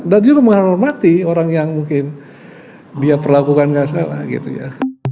dan dia menghormati orang yang mungkin dia perlakukan gak salah gitu ya